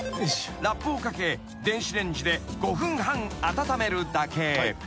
［ラップをかけ電子レンジで５分半温めるだけ］